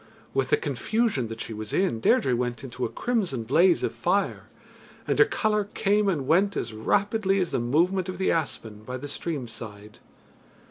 With the confusion that she was in, Deirdre went into a crimson blaze of fire, and her colour came and went as rapidly as the movement of the aspen by the stream side.